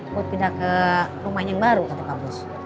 buat pindah ke rumahnya yang baru kata pak bus